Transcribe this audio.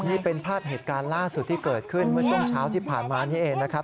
นี่เป็นภาพเหตุการณ์ล่าสุดที่เกิดขึ้นเมื่อช่วงเช้าที่ผ่านมานี้เองนะครับ